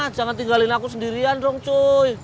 jangan tinggalin aku sendirian dong cuy